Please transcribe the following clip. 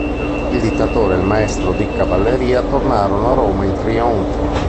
Il dittatore e il maestro di cavalleria tornarono a Roma in trionfo.